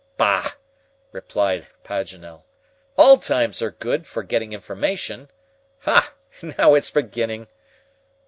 "Bah!" replied Paganel, "all times are good for getting information. Ha! now it's beginning."